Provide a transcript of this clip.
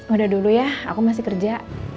udah dulu ya aku masih kerja